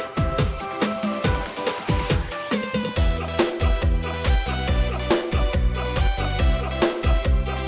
รวมแก๊สให้อ๋อหรือแค่กรอบอ๋อหน้ากรอบหน้าจะกรอบค่ะค่ะ